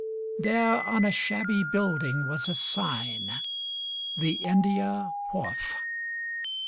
There on a shabby building was a sign "The India Wharf